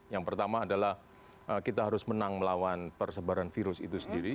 yang pertama adalah kita harus menang melawan persebaran virus itu sendiri